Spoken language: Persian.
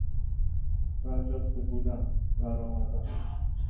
برجسته بودن، ورآمدن